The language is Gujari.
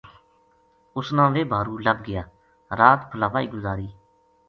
اُس نا ویہ بھارو لبھ گیا رات پھُلاوائی گزاری